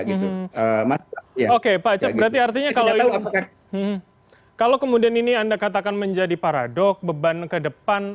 oke pak acep berarti artinya kalau ini kalau kemudian ini anda katakan menjadi paradok beban ke depan